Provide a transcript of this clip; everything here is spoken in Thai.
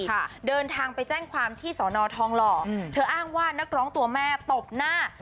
ค่ะเดินทางไปแจ้งความที่สอนอทองหล่ออืมเธออ้างว่านักร้องตัวแม่ตบหน้า